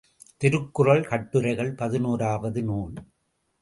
திருக்குறள் கட்டுரைகள் பதினோராவது நூல்.